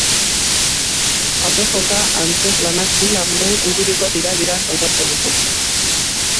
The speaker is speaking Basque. Ate joka antzezlanak bi lagunen inguruko tirabirak kontatzen ditu.